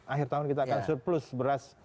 akhir tahun kita akan surplus beras